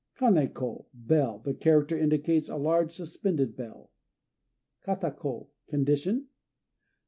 Kané ko "Bell," the character indicates a large suspended bell. Kata ko "Condition"?